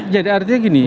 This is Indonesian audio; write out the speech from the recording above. jadi artinya gini